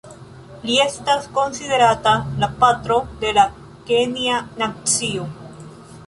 Li estas konsiderata la patro de la kenja nacio.